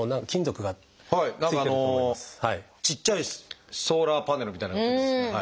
ちっちゃいソーラーパネルみたいなやつです。